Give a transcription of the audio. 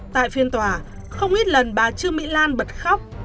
tại phiên tòa không ít lần bà trương mỹ lan bật khóc